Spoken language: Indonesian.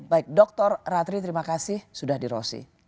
baik dr ratri terima kasih sudah di rosi